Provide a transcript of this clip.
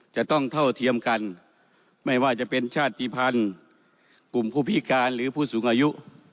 จะต้องเท่าเทียมกันไม่ว่าจะเป็นชาติภัณฑ์กลุ่มผู้พิการหรือผู้สูงอายุ